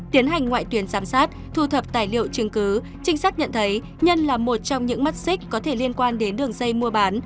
tiến hành ngoại tuyển giám sát thu thập tài liệu chứng cứ trinh sát nhận thấy nhân là một trong những mắt xích có thể liên quan đến đường dây mua bán